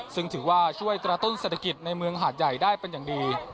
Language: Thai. ซึ่งถือว่าช่วยกระตุ้นเศรษฐกิจในเมืองหาดใหญ่ได้เป็นอย่างดี